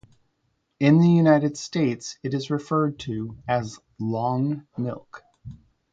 In the United States it is referred to as 'long milk'.